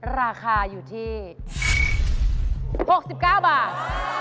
ราคาอยู่ที่๖๙บาท